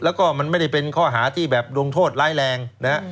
แล้วก็มันไม่ได้เป็นข้อหาที่โดนโทษร้ายแรง